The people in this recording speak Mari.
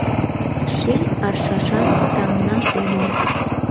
Ший аршашан таҥна уло